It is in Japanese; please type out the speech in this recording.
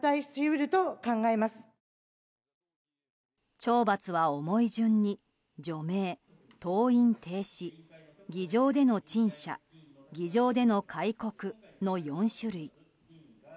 懲罰は重い順に除名、登院停止、議場での陳謝議場での戒告の４種類。